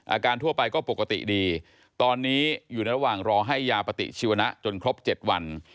ทั่วไปก็ปกติดีตอนนี้อยู่ระหว่างรอให้ยาปฏิชีวนะจนครบ๗วัน